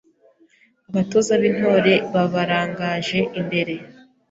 Abatoza b’Intore babarangaje imbere